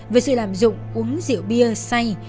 với sự làm dụng uống rượu bia say